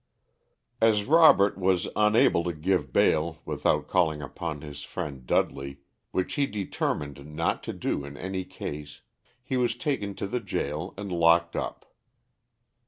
_ As Robert was unable to give bail without calling upon his friend Dudley, which he determined not to do in any case, he was taken to the jail and locked up.